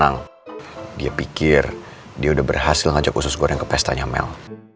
gue gak salah ngajakin putri ke pestanya mel